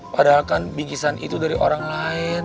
padahal kan bigisan itu dari orang lain